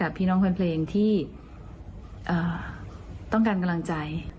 ให้กับพี่น้องเพลงที่ต้องการกำลังใจ